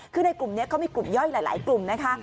คือในกลุ่มนี้เขามีกลุ่มย่อยหลายกลุ่มนะคะ